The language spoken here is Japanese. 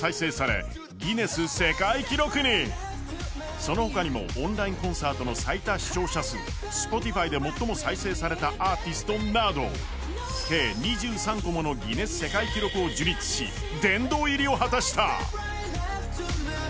そのほかにもオンラインコーサートの最多視聴者数、Ｓｐｏｔｉｆｙで最も再生されたアーティストなど、計２３個もの世界記録を樹立し、殿堂入りを果たした。